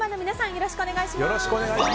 よろしくお願いします。